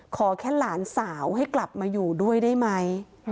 ขอแค่หลานสาวให้กลับมาอยู่ด้วยได้ไหม